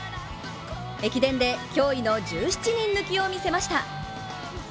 駅伝で驚異の１７人抜きを見せました。